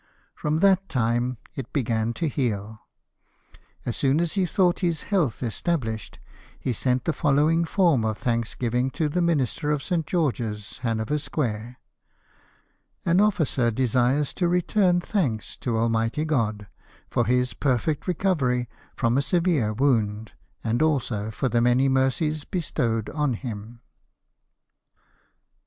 From that time it began to heal. As soon as he thought his health established, he sent the following, form of thanksgiving to the minister of St. George's, Hanover Square :— "An officer desires to return thanks to Almighty God for his perfect recovery from a severe wound, and also for the many mercies bestowed on him."